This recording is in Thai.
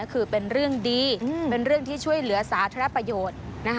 คือเป็นเรื่องดีเป็นเรื่องที่ช่วยเหลือสาธารณประโยชน์